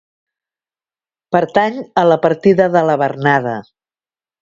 Pertany a la partida de la Bernada.